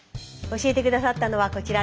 教えて下さったのはこちら